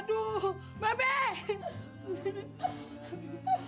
aduh mbak mbak